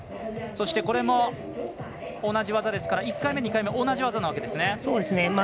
そして同じ技ですから１回目、２回目同じ技ですね。